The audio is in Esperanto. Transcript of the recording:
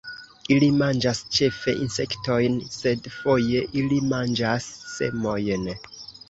Ili manĝas ĉefe insektojn, sed foje ili manĝas semojn.